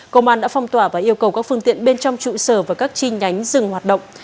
công an đã phong tỏa và yêu cầu các phương tiện bên trong trụ sở và các chi nhánh dừng hoạt động